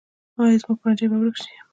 ایا زما پرنجی به ورک شي؟